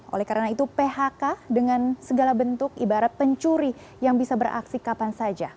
oleh karena itu phk dengan segala bentuk ibarat pencuri yang bisa beraksi kapan saja